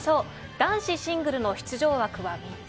男子シングルの出場枠は３つ。